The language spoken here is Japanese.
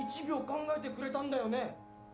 １秒考えてくれたんだよね！？